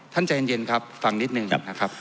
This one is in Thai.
ท่านใจเย็นครับฟังนิดนึงครับ